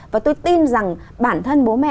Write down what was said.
và tôi tin rằng bản thân bố mẹ